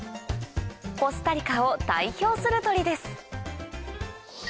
コスタリカを代表する鳥です